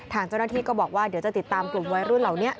ทางเจ้าหน้าที่ก็บอกว่าเดี๋ยวจะติดตามกลุ่มวัยรุ่นเหล่านี้